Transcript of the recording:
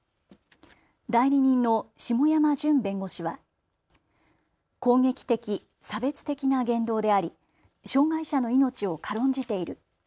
代理人の下山順弁護士は攻撃的、差別的な言動であり障害者の命を軽んじている。